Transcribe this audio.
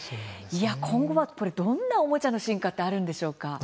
今後は、どんなおもちゃの進化ってあるんでしょうか？